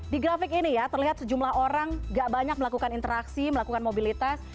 di grafik ini ya terlihat sejumlah orang gak banyak melakukan interaksi melakukan mobilitas